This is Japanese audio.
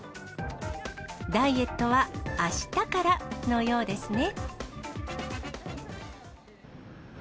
ダイエットはあしたからのようですね。